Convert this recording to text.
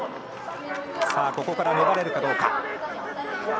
ここから粘れるかどうか。